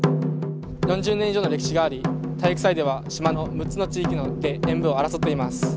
４０年以上の歴史があり体育祭では、島の６つの地域によって演武を争っています。